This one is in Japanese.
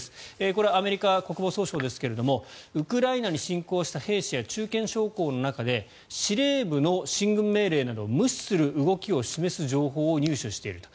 これはアメリカ国防総省ですがウクライナに侵攻した兵士や中堅将校の中で司令部の進軍命令などを無視する動きを示す情報を入手していると。